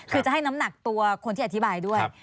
คือจะให้น้ำหนักตัวคนที่อธิบายด้วย